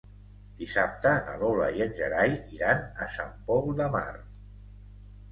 Dissabte na Lola i en Gerai iran a Sant Pol de Mar.